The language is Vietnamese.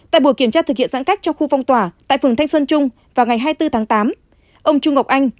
tại buổi kiểm tra thực hiện giãn cách trong khu phong tỏa tại phường thanh xuân trung vào ngày hai mươi bốn tháng tám ông trung ngọc anh